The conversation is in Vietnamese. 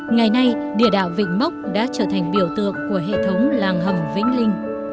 ngày nay địa đạo vịnh mốc đã trở thành biểu tượng của hệ thống làng hầm vĩnh linh